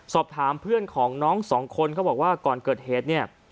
สอบถามเพื่อนของน้องสองคนเขาบอกว่าก่อนเกิดเหตุเนี่ย